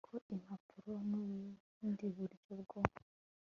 ko impapuro n ubundi buryo bwo